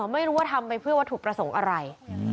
ไม่รู้ว่าทำไปเพื่อวัตถุประสงค์อะไร